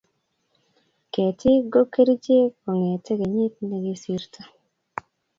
Ketik go gerichek kongete kenyit ikisirto